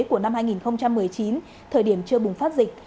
của năm hai nghìn một mươi chín thời điểm chưa bùng phát dịch